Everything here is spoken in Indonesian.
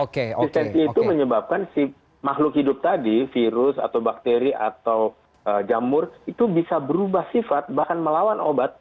histensi itu menyebabkan si makhluk hidup tadi virus atau bakteri atau jamur itu bisa berubah sifat bahkan melawan obat